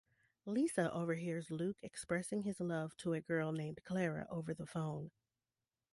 Lisa overhears Luke expressing his love to a girl named Clara over the phone.